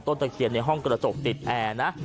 ต้นเต็มเกียรติในห้องกระจกติดแอร์นะ